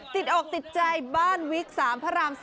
ติดอกติดใจบ้านวิก๓พระราม๔